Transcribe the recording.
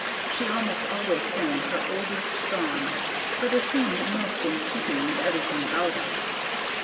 She almost always sang her oldest songs, for they seemed most in keeping with everything about us.